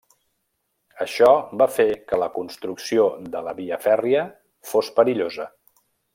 Això va fer que la construcció de la via fèrria fos perillosa.